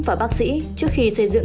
và bác sĩ trước khi xây dựng